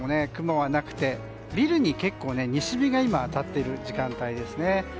雲がなくて、ビルに結構西日が当たっている時間帯ですね。